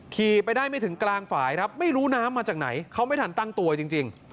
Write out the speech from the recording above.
ขี่ไปได้ไม่ถึงกลางฝ่ายครับไม่รู้น้ำมาจากไหนเขาไม่ทันตั้งตัวจริง